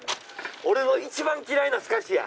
俺の一番嫌いなスカシや。